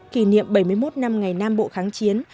kỷ niệm bảy mươi một năm ngày nam bộ kháng chiến